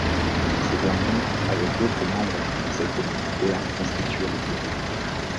Ces derniers, avec d'autres membres du conseil communautaire, constituaient le bureau.